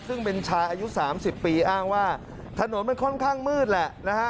ซึ่งเป็นชายอายุ๓๐ปีอ้างว่าถนนมันค่อนข้างมืดแหละนะฮะ